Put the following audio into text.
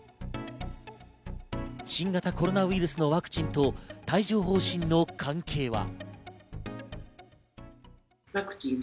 新型コロナウイルスのワクチンと帯状疱疹の関係は。